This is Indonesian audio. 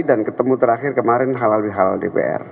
dan ketemu terakhir kemarin halal bihalal dpr